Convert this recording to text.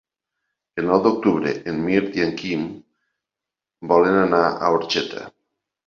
El nou d'octubre en Mirt i en Quim volen anar a Orxeta.